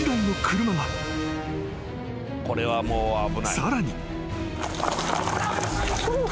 ［さらに］